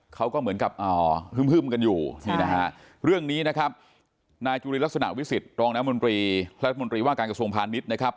เค้าก็เหมือนเงียบเฮื้มกันอยู่เรื่องนี้นะครับนายจุลินรักษณะวิสิตรองรัฐมนตรีกรรมรีว่าการกระทรวงพาณมิตรนะครับ